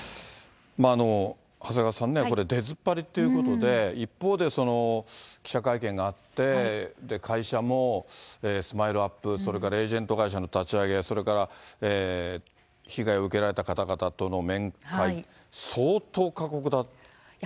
長谷川さんね、これ、出ずっぱりということで、一方で記者会見があって、会社もＳＭＩＬＥーＵＰ．それからエージェント会社の立ち上げ、それから、被害を受けられた方々との面会、相当過酷だったでしょ